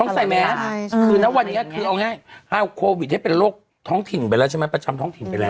ใส่แมสคือณวันนี้คือเอาง่ายเอาโควิดให้เป็นโรคท้องถิ่นไปแล้วใช่ไหมประจำท้องถิ่นไปแล้ว